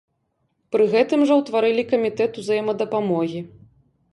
Пры гэтым жа ўтварылі камітэт узаемадапамогі.